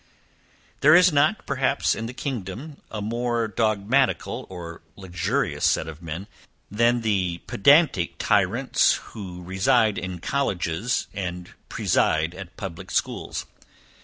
There is not, perhaps, in the kingdom, a more dogmatical or luxurious set of men, than the pedantic tyrants who reside in colleges and preside at public schools.